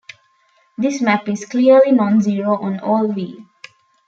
This map is clearly nonzero on all "v".